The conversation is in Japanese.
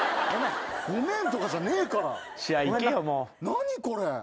何これ？